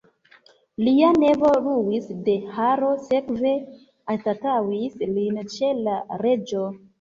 Lia nevo Luis de Haro sekve anstataŭis lin ĉe la reĝo.